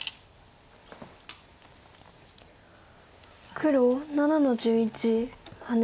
黒７の十一ハネ。